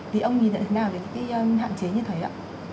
thì ông nhìn thấy thế nào về cái hạn chế như thế ạ